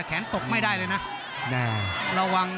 แขนตกไม่ไหวนะ